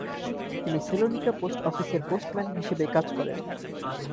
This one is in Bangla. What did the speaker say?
তিনি সেলোনিকা পোস্ট অফিসের পোস্টম্যান হিসেবে কাজ করেন।